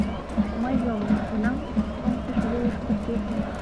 Мый йомым, кунам ончыш вуйышко кече